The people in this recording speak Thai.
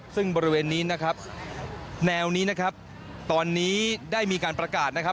ซึ่งบริเวณนี้นะครับแนวนี้นะครับตอนนี้ได้มีการประกาศนะครับ